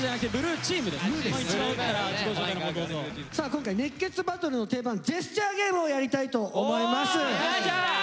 今回「熱血バトル」の定番ジェスチャーゲームをやりたいと思います。